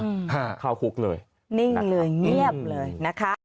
อืมฮะเข้าคุกเลยนิ่งเลยเงียบเลยนะคะ